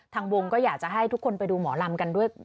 ทางวงก็อยากจะให้ทุกคนไปดูหมอลำกันด้วย